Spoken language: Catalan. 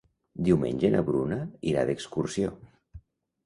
Diumenge na Bruna irà d'excursió.